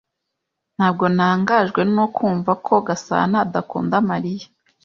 Ntabwo ntangajwe no kumva ko Gasana adakunda Mariya.